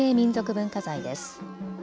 文化財です。